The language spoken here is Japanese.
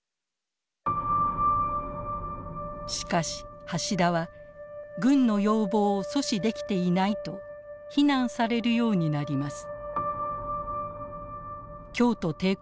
しかし橋田は軍の要望を阻止できていないと非難されるようになります。